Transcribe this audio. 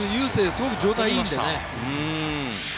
すごく状態がいいのでね。